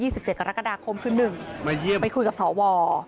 วันที่๒๗กรกฎาคมคือ๑ไปคุยกับสอว